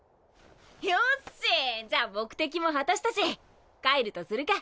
よしじゃあ目的も果たしたし帰るとするか。